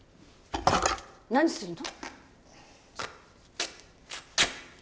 何するの！？